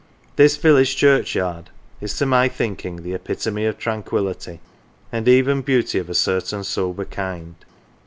This village churchyard is to my thinking the epitome of tranquillity and even beauty of a certain sober kind.